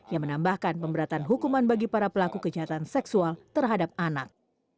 yang menambahkan pemberatan hukuman bagi para pelaku kejahatan seksual terhadap anak